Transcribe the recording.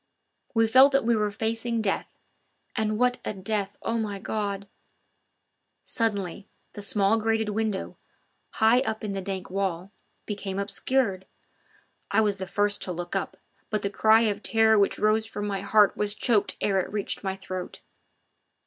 We felt that we were facing death and what a death, O my God! Suddenly the small grated window high up in the dank wall became obscured. I was the first to look up, but the cry of terror which rose from my heart was choked ere it reached my throat.